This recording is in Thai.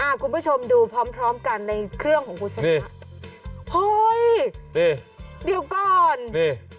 อ่ะคุณผู้ชมดูพร้อมกันในเครื่องของคุณชาติ